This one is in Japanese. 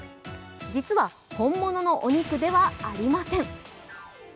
実は本物のお肉ではありません。